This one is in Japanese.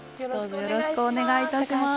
よろしくお願いします